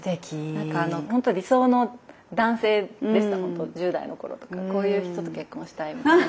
ほんと理想の男性でした１０代の頃とかこういう人と結婚したいみたいな。